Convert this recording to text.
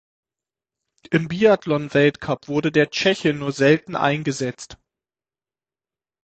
Im Biathlon-Weltcup wurde der Tscheche nur selten eingesetzt.